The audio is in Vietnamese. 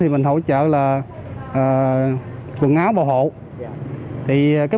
mình hỗ trợ là quần áo bảo hộ